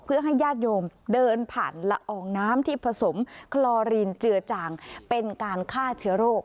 เพื่อให้ญาติโยมเดินผ่านละอองน้ำที่ผสมคลอรีนเจือจางเป็นการฆ่าเชื้อโรค